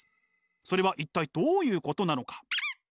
それは一体どういうことなのか？